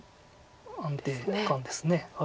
安定感です。